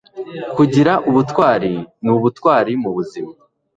gira ubutwari n'ubutwari mubuzima